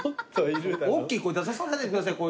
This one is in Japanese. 大きい声出させないでください。